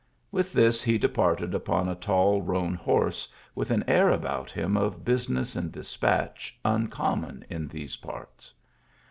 With this he departed upon a tall roan horse, with an air about him of business and dispatch uncommon in these parts.